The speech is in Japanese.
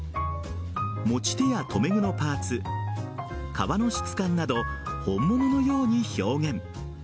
持ち手や留め具のパーツ革の質感など本物のように表現。